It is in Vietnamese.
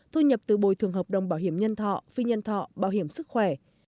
thu nhập từ bồi thường hợp đồng bảo hiểm nhân thọ phi nhân thọ bảo hiểm sức khỏe